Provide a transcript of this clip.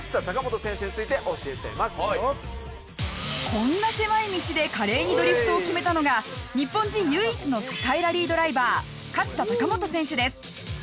こんな狭い道で華麗にドリフトを決めたのが日本人唯一の世界ラリードライバー勝田貴元選手です。